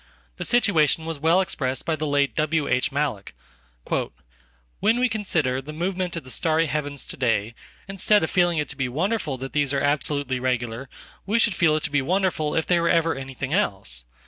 The situation was well expressed by the late W.H. Mallock, — "When we consider the movements of the starry heavens to day, instead of feeling it to be wonderful that these are absolutely regular, we should feel it to be wonderful if they were ever anything else.